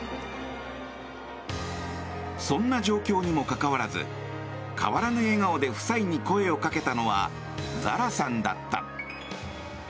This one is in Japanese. そんな状況にもかかわらず変わらぬ笑顔で夫妻に声をかけたのはザラさんだった。